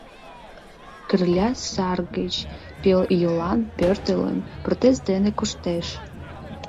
Кырля сар гыч пелйолан пӧртылын, протез дене коштеш.